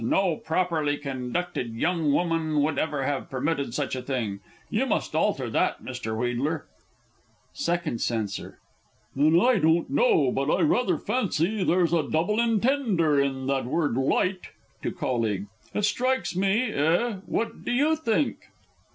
No properly conducted young woman would ever have permitted such a thing. You must alter that, Mr. Wheedler! Second C. And I don't know but I rather fancy there's a "double intender" in that word "light" (to colleague) it strikes me eh? what do you think?